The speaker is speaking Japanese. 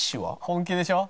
「本気でしょ？」